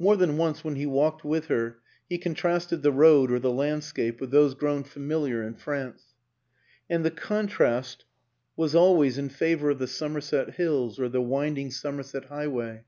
More than once when he walked with her he contrasted the road or the landscape with those grown familiar in France; and the contrast was always in favor of the Somerset hills or the winding Somerset highway.